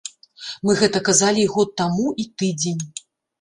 Мы гэта казалі і год таму, і тыдзень.